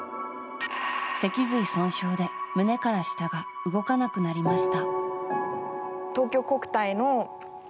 脊髄損傷で胸から下が動かなくなりました。